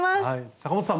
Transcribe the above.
阪本さん